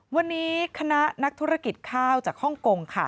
วันนี้คณะนักธุรกิจข้าวจากฮ่องกงค่ะ